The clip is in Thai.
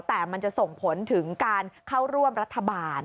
แต่มันจะส่งผลถึงการเข้าร่วมรัฐบาล